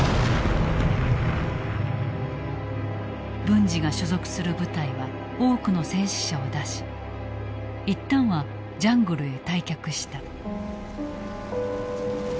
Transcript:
文次が所属する部隊は多くの戦死者を出し一旦はジャングルへ退却した。